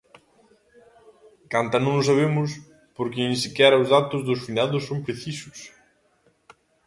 Canta non o sabemos, porque nin sequera os datos dos finados son precisos.